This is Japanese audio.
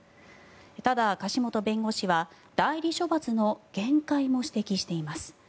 ただ、柏本弁護士は代理処罰の限界も指摘しています。